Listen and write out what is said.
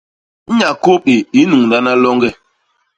Nya kôp i i nnuñlana loñge.